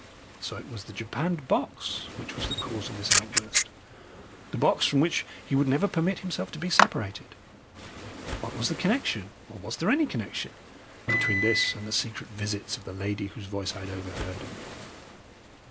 So it was the japanned box which was the cause of this outburst the box from which he would never permit himself to be separated. What was the connection, or was there any connection between this and the secret visits of the lady whose voice I had overheard?